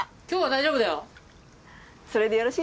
今日は大丈夫だよ。